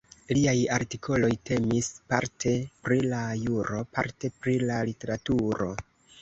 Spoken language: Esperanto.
Liaj artikoloj temis parte pri la juro, parte pri la literaturo.